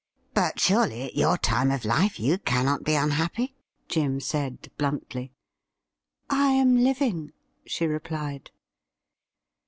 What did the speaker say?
' But, surely, at your time of life, you cannot be un happy .'*' Jim said bluntly. ' I am living,' she replied.